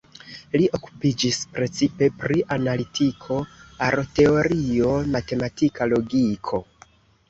Li okupiĝis precipe pri analitiko, aroteorio, matematika logiko.